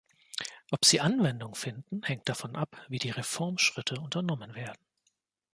Ob sie Anwendung finden, hängt davon ab, wie die Reformschritte unternommen werden.